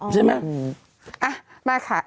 ใช่มั้ย